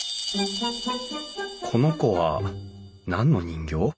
この子は何の人形？